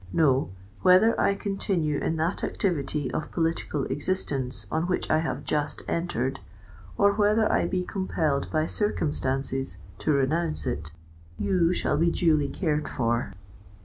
No—whether I continue in that activity of political existence on which I have just entered—or whether I be compelled by circumstances to renounce it,—you shall be duly cared for."